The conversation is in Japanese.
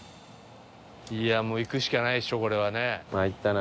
いやあもう行くしかないでしょこれはね。まいったな。